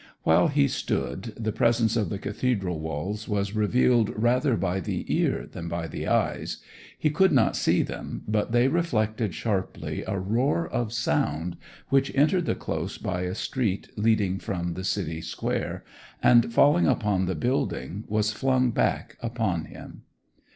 While he stood the presence of the Cathedral walls was revealed rather by the ear than by the eyes; he could not see them, but they reflected sharply a roar of sound which entered the Close by a street leading from the city square, and, falling upon the building, was flung back upon him.